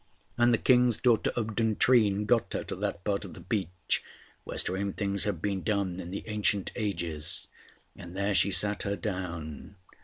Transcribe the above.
And the King's daughter of Duntrine got her to that part of the beach where strange things had been done in the ancient ages; and there she sat her down.